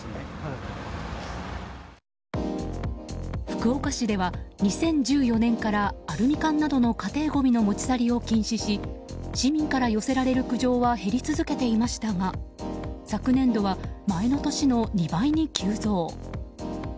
福岡市では２０１４年からアルミ缶などの家庭ごみの持ち去りを禁止し市民から寄せられる苦情は減り続けていましたが昨年度は前の年の２倍に急増。